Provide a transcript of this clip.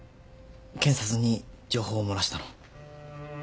検察に情報を漏らしたの。